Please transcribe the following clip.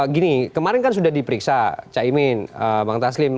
gini kemarin kan sudah diperiksa caimin bang taslim